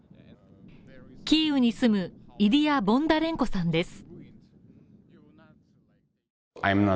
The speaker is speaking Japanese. キーウに住む、イリア・ボンダレンコさんです。